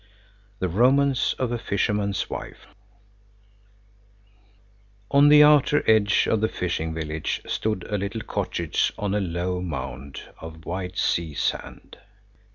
_ THE ROMANCE OF A FISHERMAN'S WIFE On the outer edge of the fishing village stood a little cottage on a low mound of white sea sand.